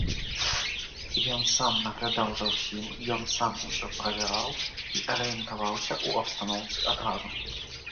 Ён сам наглядаў за ўсім, ён сам усё правяраў і арыентаваўся ў абстаноўцы адразу.